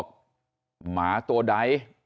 ขายมาตัวใด